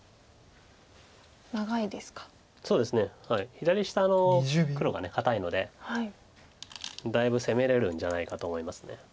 左下の黒が堅いのでだいぶ攻めれるんじゃないかと思います。